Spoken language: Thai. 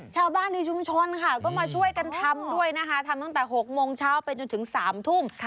ชาวบ้านในชุมชนค่ะก็มาช่วยกันทำด้วยนะคะทำตั้งแต่๖โมงเช้าไปจนถึง๓ทุ่ม